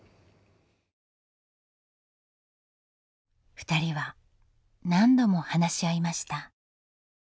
ふたりは何度も話し合いました。